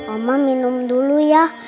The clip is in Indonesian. ommah minum dulu ya